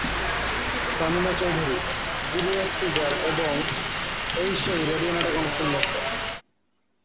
Samina Chowdhury "Julius Caesar" এবং "এই সেই" রেডিও নাটকে অংশ নিয়েছেন।